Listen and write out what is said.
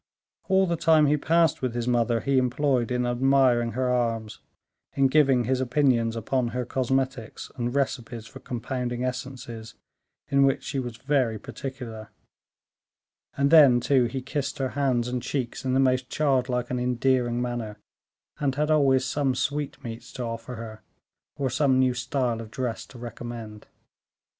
All the time he passed with his mother he employed in admiring her arms, in giving his opinion upon her cosmetics, and recipes for compounding essences, in which she was very particular; and then, too, he kissed her hands and cheeks in the most childlike and endearing manner, and had always some sweetmeats to offer her, or some new style of dress to recommend.